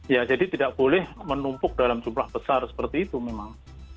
ya jadi tidak boleh menumpuk dalam jumlah besar seperti itu memang